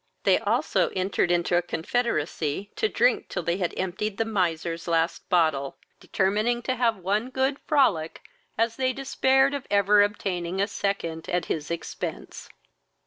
They also entered into a confederacy to drink till they had emptied the miser's last bottle, determining to have one good frolic, as they despaired of ever obtaining a second at his expence.